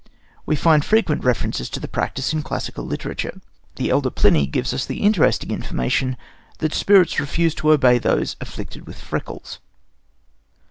We find frequent references to the practice in classical literature. The elder Pliny gives us the interesting information that spirits refuse to obey people afflicted with freckles.